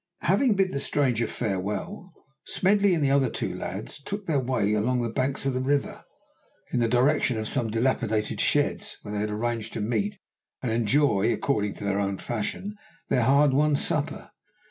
Having bid the stranger farewell, Smedley and the other two lads took their way along the banks of the river, in the direction of some dilapidated sheds, where they had arranged to meet and enjoy, according to their own fashion, their hard won supper.